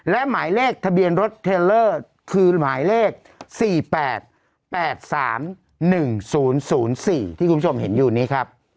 และหมายเลขทะเบียนรถเทลเลอร์คือหมายเลข๔๘๘๓๑๐๐๔ที่คุณผู้ชมเห็นอยู่นี้ครับ